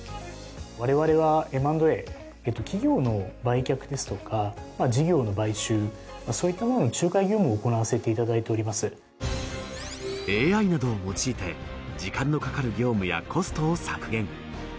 我々はＭ＆Ａ企業の売却ですとか事業の買収そういったものの仲介業務を行わせていただいておりますＡＩなどを用いて時間のかかる業務やコストを削減